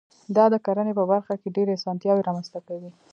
دا د کرنې په برخه کې ډېرې اسانتیاوي رامنځته کوي.